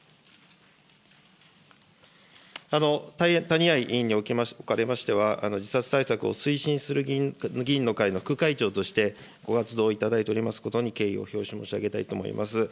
谷合議員におかれましては、自殺対策を推進する議員の会の副会長として、ご活動をいただいていますことに、敬意を表し、申し上げたいと思います。